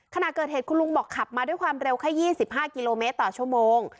ขณะเกิดเหตุคุณลุงบอกขับมาด้วยความเร็วแค่๒๕กิโลเมตรต่อชั่วโมง